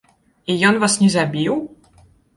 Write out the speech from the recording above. І ён вас не забіў?